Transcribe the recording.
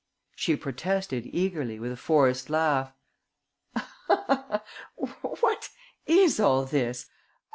She protested eagerly, with a forced laugh: "What is all this?